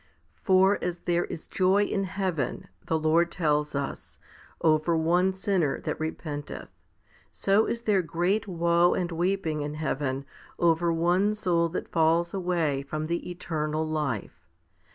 3. For as there is joy in heaven, the Lord tells us, over one sinner that repenteth, 1 so is there great woe and weeping in heaven over one soul that falls away from the eternal life.